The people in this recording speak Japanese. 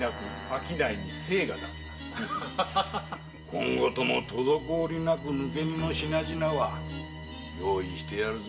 今後とも滞りなく抜け荷の品々は用意してやるぞ。